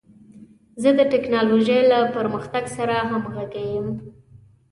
زه د ټکنالوژۍ د پرمختګ سره همغږی یم.